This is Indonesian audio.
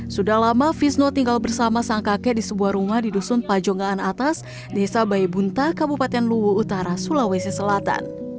sudah lama fisno tinggal bersama sang kakek di sebuah rumah di dusun pajonggaan atas desa baibunta kabupaten luwu utara sulawesi selatan